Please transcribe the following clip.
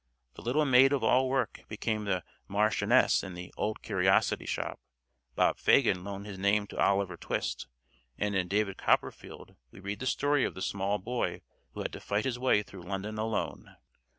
The little maid of all work became the Marchioness in the "Old Curiosity Shop," Bob Fagin loaned his name to "Oliver Twist," and in "David Copperfield" we read the story of the small boy who had to fight his way through London alone.